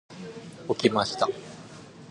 起きました。